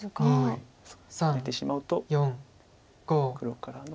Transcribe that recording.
ハネてしまうと黒からの。